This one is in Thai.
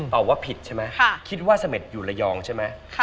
ตอบว่าผิดใช่ไหมคิดว่าเสม็ดอยู่ระยองใช่ไหม